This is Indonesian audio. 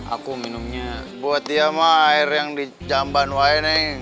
aku minumnya buat dia sama air yang di jamban woy neng